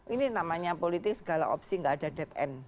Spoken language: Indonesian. ini namanya politik segala opsi nggak ada dead end